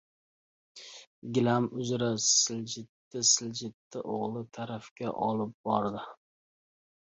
Gilam uzra siljitdi- siljitdi, o‘g‘li tarafga olib bordi.